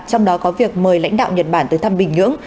trong đó có việc mời lãnh đạo nhật bản tới thăm bình nhưỡng